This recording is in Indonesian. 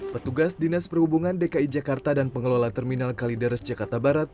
petugas dinas perhubungan dki jakarta dan pengelola terminal kalideres jakarta barat